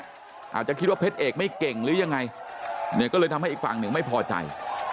อาจจะคิดว่าเพชรเอกไม่เก่งหรือยังไงเนี่ยก็เลยทำให้อีกฝั่งหนึ่งไม่พอใจ